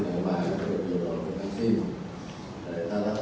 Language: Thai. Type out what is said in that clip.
และมันก็จะต้องร่วมด้วยนะครับ